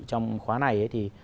trong khóa này